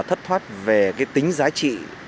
thất thoát về cái tính giá trị